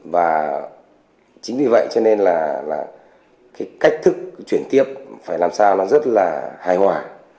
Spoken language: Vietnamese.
và chính vì vậy cho nên là cái cách thức chuyển tiếp phải làm sao nó rất là hài hòa